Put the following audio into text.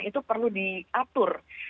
itu perlu diatur